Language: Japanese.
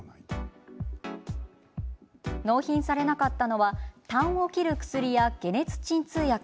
納品されなかったのはたんを切る薬や解熱鎮痛薬。